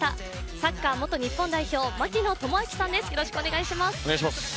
サッカー元日本代表、槙野智章さんです。